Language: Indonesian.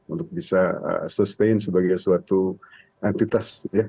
untuk bisa sustain sebagai suatu entitas